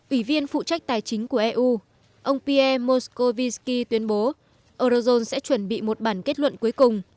ủy viên phụ trách tài chính của eu ông pierre muskovisky tuyên bố eurozone sẽ chuẩn bị một bản kết luận cuối cùng